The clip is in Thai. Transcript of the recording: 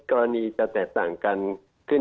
กรณีจะแตกต่างกันขึ้น